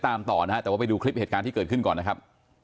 ตามต่อนะฮะแต่ว่าไปดูคลิปเหตุการณ์ที่เกิดขึ้นก่อนนะครับ